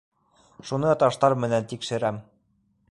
Шуны таштар менән тикшерәм...